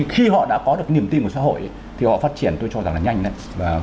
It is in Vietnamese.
khi họ đã có được niềm tin của xã hội thì họ phát triển tôi cho rằng là nhanh